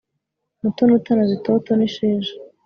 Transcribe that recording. mutoni utanaze itoto nisheja